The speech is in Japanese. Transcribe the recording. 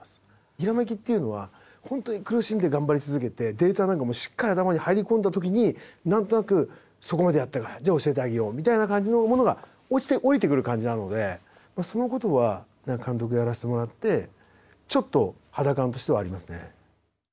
ひらめきっていうのは本当に苦しんで頑張り続けてデータなんかもしっかり頭に入り込んだ時に何となくそこまでやったかじゃあ教えてあげようみたいな感じのものが落ちて降りてくる感じなのでそのことは監督やらせてもらってちょっと肌感としてはありますね。